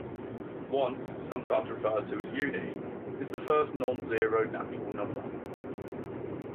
One, sometimes referred to as unity, is the first non-zero natural number.